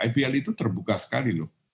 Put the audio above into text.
ibl itu terbuka sekali loh